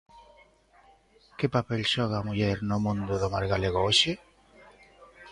Que papel xoga a muller no mundo do mar galego hoxe?